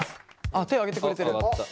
あっ手挙げてくれてる。